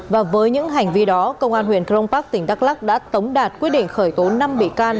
và với những hành vi đó công an huyện crong park tỉnh đắk lắc đã tống đạt quyết định khởi tố năm bị can